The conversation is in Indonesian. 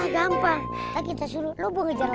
gampang kita suruh lobo kejar